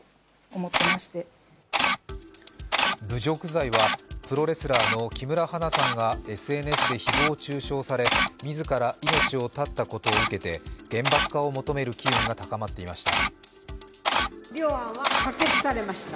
侮辱罪はプロレスラーの木村花さんがＳＮＳで誹謗中傷され、自ら命を絶ったことを受けて厳罰化を求める機運が高まっていました。